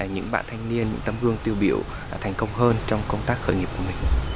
những bạn thanh niên những tấm gương tiêu biểu thành công hơn trong công tác khởi nghiệp của mình